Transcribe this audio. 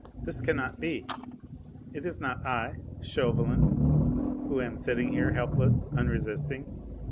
This cannot be! It is not I Chauvelin who am sitting here, helpless, unresisting.